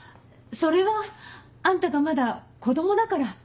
それはあんたがまだ子供だから。